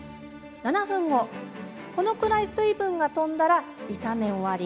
このくらい水分がとんだら炒め終わり。